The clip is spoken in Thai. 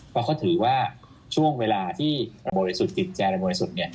เพราะเขาถือว่าช่วงเวลาที่ระบวนสุดติดใจระบวนสุด